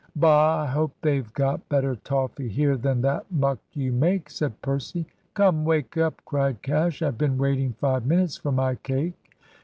"Bah! I hope they've got better toffee here than that muck you make," said Percy. "Come, wake up!" cried Cash. "I've been waiting five minutes for my cake."